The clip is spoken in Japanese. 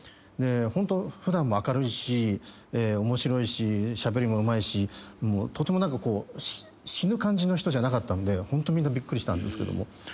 でホント普段も明るいし面白いししゃべりもうまいしとても何か死ぬ感じの人じゃなかったんでホントみんなびっくりしたんですけども。